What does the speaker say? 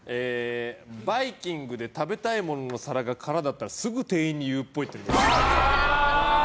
バイキングで食べたいものの皿が空だったらすぐ店員にいうっぽい。